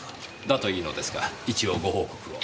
だといいのですが一応ご報告を。